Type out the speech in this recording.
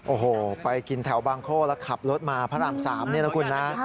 โอ้โฮไปกินแถวบางโคแล้วขับรถมาพระอำ๓เดี๋ยวนะคุณนะ